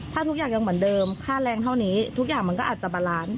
ถ้าทุกอย่างยังเหมือนเดิมค่าแรงเท่านี้ทุกอย่างมันก็อาจจะบาลานซ์